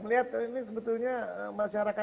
melihat ini sebetulnya masyarakat